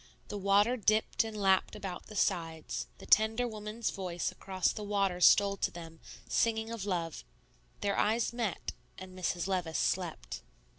The water dipped and lapped about the sides; the tender woman's voice across the water stole to them, singing of love; their eyes met and Mrs. Levice slept.